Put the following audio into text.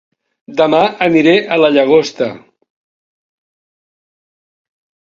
Dema aniré a La Llagosta